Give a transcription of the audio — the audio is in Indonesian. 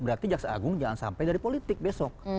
berarti jaksa agung jangan sampai dari politik besok